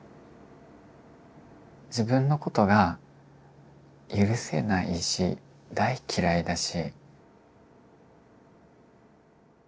自分のことが許せないし大嫌いだし。